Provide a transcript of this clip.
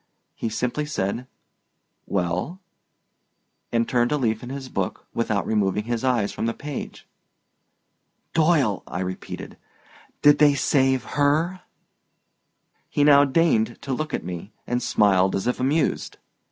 He simply said, "Well," and turned a leaf in his book without removing his eyes from the page. "Doyle," I repeated, "did they save her?" He now deigned to look at me and smiled as if amused.